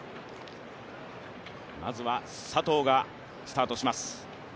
まずは佐藤がスタートします。